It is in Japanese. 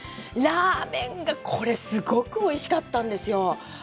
ラーメンがこれすごくおいしかったんですよ。